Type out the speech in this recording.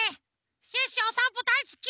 シュッシュおさんぽだいすき！